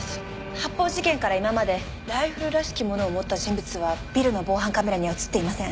発砲事件から今までライフルらしきものを持った人物はビルの防犯カメラには写っていません。